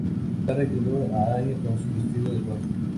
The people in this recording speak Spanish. Tara ayuda a Anya con su vestido de boda.